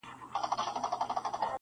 مځکه دي سره ده وچ دي اسمان دی -